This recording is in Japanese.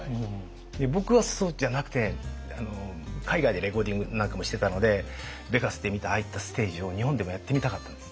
で僕はそうじゃなくて海外でレコーディングなんかもしてたのでベガスで見たああいったステージを日本でもやってみたかったんです。